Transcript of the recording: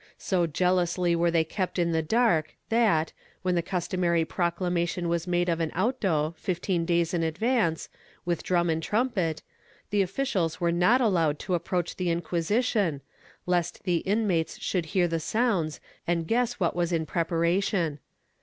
So jealously were they kept in the dark that, when the customary proclamation was made of an auto, fifteen days in advance, with drum and trumpet, the officials were not allowed to approach the Inquisition, lest the inmates should hear the sounds and guess what was in preparation.